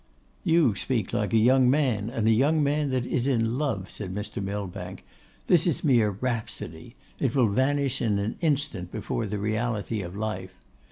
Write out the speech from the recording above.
'You speak like a young man, and a young man that is in love,' said Mr. Millbank. 'This is mere rhapsody; it will vanish in an instant before the reality of life.